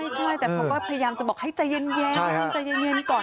ใช่แต่ผมก็พยายามจะบอกให้ใจเย็นก่อน